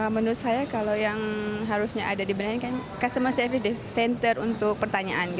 menurut saya kalau yang harusnya ada dibenarkan customer service center untuk pertanyaan